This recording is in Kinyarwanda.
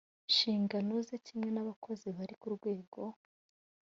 nshingano ze kimwe n abakozi bari ku rwego